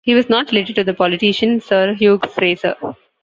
He was not related to the politician Sir Hugh Fraser.